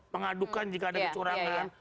mengadukan jika ada kecurangan